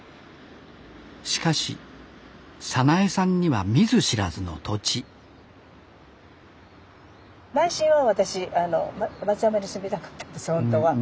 しかし早苗さんには見ず知らずの土地内心は私松山に住みたかったんですほんとは。